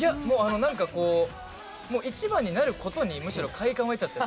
何かこう一番になることにむしろ快感を得ちゃってて。